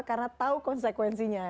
karena tahu konsekuensinya